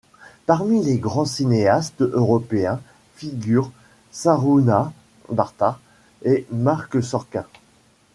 Parmi les grands cinéastes européens, figurent Šarūnas Bartas et Marc Sorkin.